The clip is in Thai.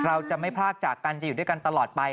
เราจะไม่พรากจากกันจะอยู่ด้วยกันตลอดไป